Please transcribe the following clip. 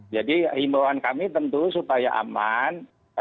jadi himbawan kami tentu supaya aman